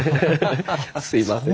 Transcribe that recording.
すいません。